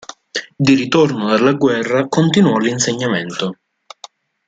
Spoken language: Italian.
Di ritorno dalla guerra, continuò l'insegnamento.